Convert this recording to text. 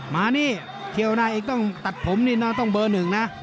มานี่เกี่ยวหน้าอีกต้องตัดผมนี่นะต้องเบอร์หนึ่งนะ